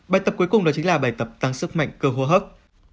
bài tập cuối cùng đó chính là bài tập tăng sức mạnh cơ hô hấp